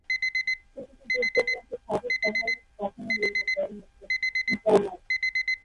প্রতিটি দিক জন্য একটি স্বাধীন সহায়ক কাঠামো নির্মাণ করা হয়েছে।